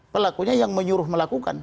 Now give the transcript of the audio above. pelakunya yang menyuruh melakukan